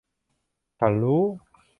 ฉันรู้ !